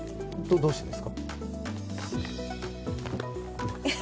どうしてですか？